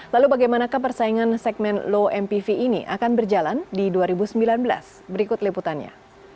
lalu bagaimana persaingan segmen low mpv ini akan berjalan di dua ribu sembilan belas berikut liputannya